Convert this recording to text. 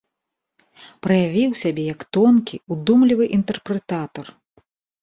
Праявіў сябе як тонкі, удумлівы інтэрпрэтатар.